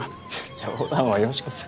冗談はよしこさん。